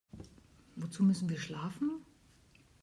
Wozu müssen wir schlafen?